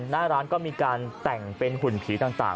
หน้าร้านก็มีการแต่งเป็นหุ่นผีต่าง